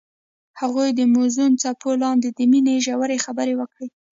هغوی د موزون څپو لاندې د مینې ژورې خبرې وکړې.